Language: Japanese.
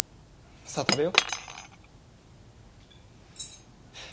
さあ食べよ。